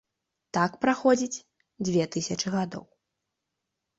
Так праходзіць дзве тысячы гадоў.